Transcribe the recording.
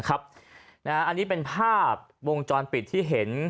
อันนี้เป็นภาพวงจรปิดที่เห็น